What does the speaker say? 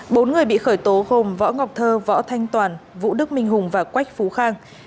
bốn người bị khởi tố gồm võ ngọc thơ võ thanh toàn vũ đức minh hùng và quách phú khang